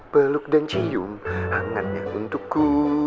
peluk dan cium hangatnya untukku